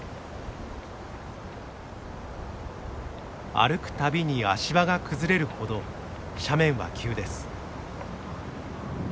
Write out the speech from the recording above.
歩くたびに足場が崩れるほど斜面は急です。